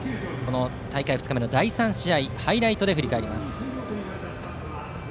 大会２日目の第３試合ハイライトで振り返ります。